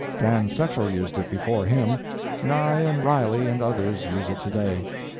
Dan Setchell used it before him, Nye and Riley and others use it today.